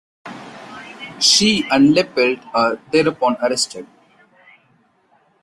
She and LePelt are thereupon arrested.